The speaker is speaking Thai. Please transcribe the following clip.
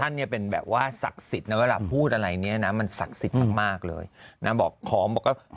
ท่านเนี่ยเป็นแบบว่าศักดิ์สิทธิ์พูดอะไรเนี่ยนะมันศักดิ์สิทธิ์มากเลยบอกขอม